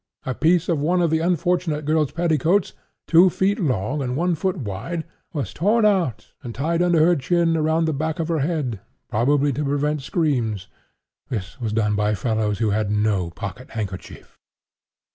A piece of one of the unfortunate girl's petticoats, two feet long and one foot wide, was torn out and tied under her chin around the back of her head, probably to prevent screams. This was done by fellows who had no pocket handkerchief."